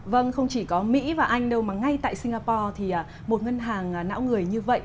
vâng không chỉ có mỹ và anh đâu mà ngay tại singapore thì một ngân hàng não người như vậy